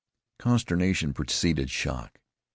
Consternation preceded shock.